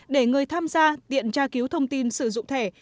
để người tham gia tiện tra cứu thông tin sử dụng thẻ